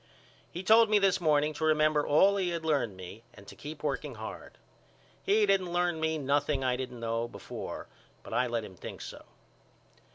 He told me this morning to remember all he had learned me and to keep working hard. He didn't learn me nothing I didn't know before but I let him think so.